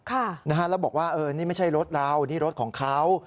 แล้วบอกว่าเออนี่ไม่ใช่รถเรานี่รถของเขา